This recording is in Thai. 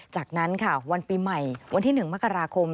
จากนั้นค่ะวันปีใหม่วันที่๑มกราคม